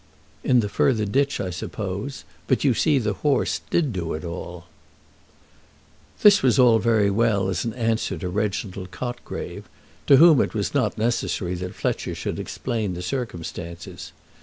"In the further ditch, I suppose. But you see the horse did do it all." This was all very well as an answer to Reginald Cotgrave, to whom it was not necessary that Fletcher should explain the circumstances.